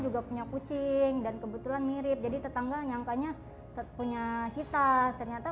juga punya kucing dan kebetulan mirip jadi tetangga nyangkanya punya hitam ternyata